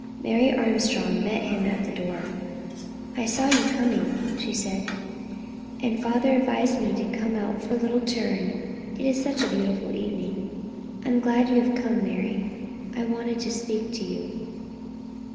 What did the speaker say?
Mary Armstrong met him at the door. "I saw you coming," she said, "and father advised me to come out for a little turn, it is such a beautiful evening." "I am glad you have come out, Mary; I wanted to speak to you."